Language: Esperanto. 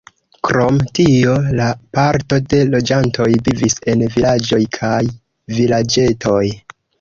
Krom tio, la parto de loĝantoj vivis en vilaĝoj kaj vilaĝetoj.